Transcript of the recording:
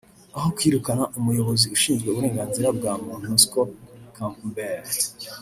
“Aho kwirukana umuyobozi ushinzwe uburenganzira bwa muntu Scott Campbell